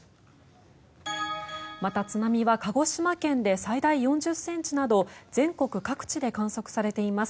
また、津波は鹿児島県で最大４０ｃｍなど全国各地で観測されています。